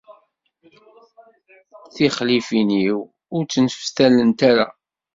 Tixlifin-iw ur ttneftalent ara.